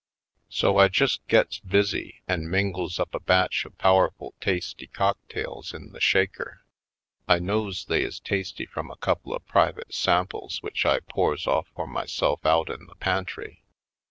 So I just gets busy and mingles Manhattan Isle 55 up a batch of powerful tasty cocktails in the shaker. I knows they is tasty from a couple of private samples which I pours off for myself out in the pantry.